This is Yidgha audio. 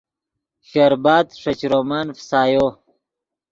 شربَت ݰے چرومن فسایو